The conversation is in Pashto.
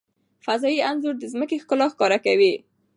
فضايي انځور د ځمکې ښکلا ښکاره کوي.